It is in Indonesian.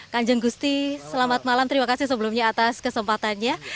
kanjeng gusti selamat malam terima kasih sebelumnya atas kesempatannya